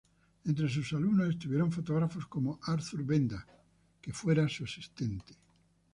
Entre sus alumnos estuvieron fotógrafos como Arthur Benda, que fuera su asistente.